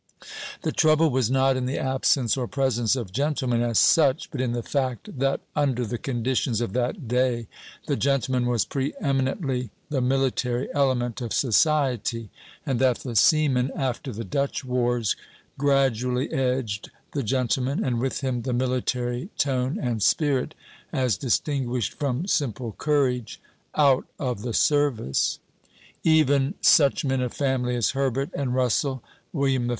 The trouble was not in the absence or presence of gentlemen as such, but in the fact that under the conditions of that day the gentleman was pre eminently the military element of society; and that the seaman, after the Dutch wars, gradually edged the gentleman, and with him the military tone and spirit as distinguished from simple courage, out of the service. Even "such men of family as Herbert and Russell, William III.'